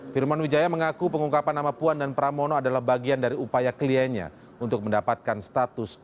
firman wijaya mengaku pengungkapan nama puan dan pramono adalah bagian dari upaya kliennya untuk mendapatkan status